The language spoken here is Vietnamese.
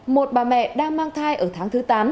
một bà mẹ đang mang thai ở tháng thứ tám